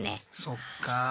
そっか。